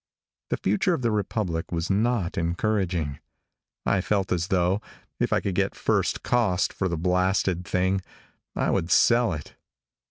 The future of the republic was not encouraging. I felt as though, if I could get first cost for the blasted thing, I would sell it.